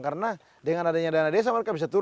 karena dengan adanya dana desa mereka bisa turun